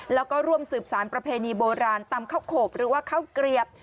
แล้วก็ร่วมสืบสารประเพณีโบราณตำข้าวโขบหรือว่าข้าวเกลียบ